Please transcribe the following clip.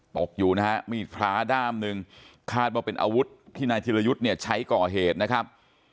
ตกอยู่นะฮะมีดพระด้ามหนึ่งคาดว่าเป็นอาวุธที่นายธิรยุทธ์เนี่ยใช้ก่อเหตุนะครับ